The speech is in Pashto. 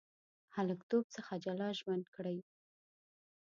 هلکتوب څخه جلا ژوند کړی.